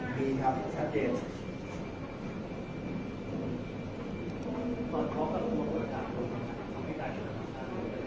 อันนี้ผมเอาเฉพาะช่วงแรกก่อนไงผมเอาในการรู้ภาพเอาโภตการณ์โฟเวอร์ท่านมาช่วงหลังไง